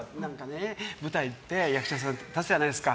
舞台って役者さん立つじゃないですか。